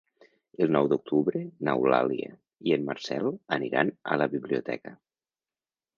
El nou d'octubre n'Eulàlia i en Marcel aniran a la biblioteca.